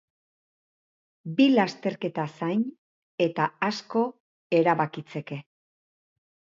Bi lasterketa zain, eta asko erabakitzeke.